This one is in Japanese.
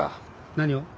何を？